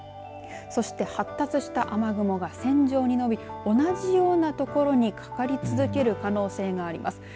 そして発達した雨雲が線状に伸びて同じような所にかかり続ける可能性があります。